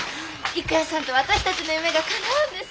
郁弥さんと私たちの夢がかなうんです！